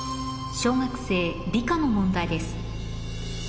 小学生理科の問題です